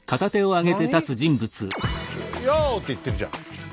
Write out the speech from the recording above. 「よう！」って言ってんじゃん。